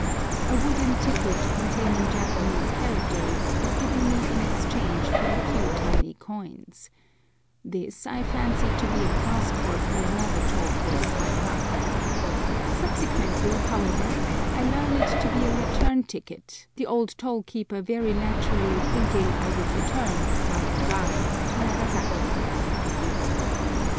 A wooden ticket containing Japanese characters is given me in exchange for a few tiny coins. This I fancy to be a passport for another toll place higher up. Subsequently, however, I learn it to be a return ticket, the old toll keeper very naturally thinking I would return, by and by, to Nagasaki.